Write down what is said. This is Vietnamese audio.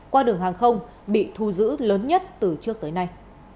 qua đường hàng không bị thu giữ lớn nhất từ trước tới nay